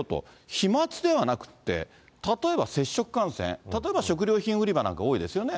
飛まつではなくって、例えば接触感染、例えば食料品売り場なんか多いですよね。